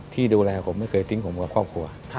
ที่ดูแลผมไม่เคยทิ้งผมกับครอบครัว